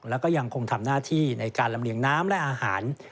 แล้วก็ยังคงทำหน้าที่ในการลำเลียงน้ำและอาหาร